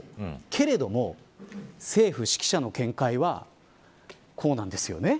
けれども、政府識者の見解はこうなんですよね。